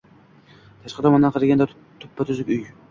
Tashqi tomondan qaraganda tuppa-tuzuk uy